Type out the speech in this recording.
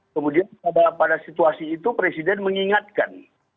kemudian pada situasi itu presiden mengingatkan